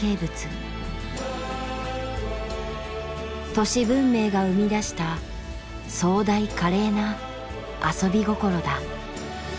都市文明が生み出した壮大華麗な遊び心だ。